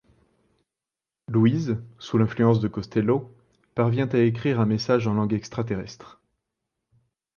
Louise, sous l'influence de Costello, parvient à écrire un message en langue extraterrestre.